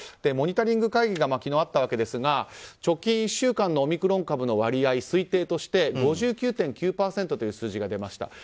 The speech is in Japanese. モニタリング会議が昨日あったわけですが直近１週間のオミクロン株の割合推定として５９．９％という数字が出ました。